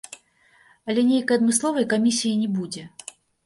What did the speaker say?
Але нейкай адмысловай камісіі не будзе.